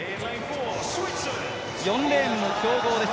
４レーンも強豪です。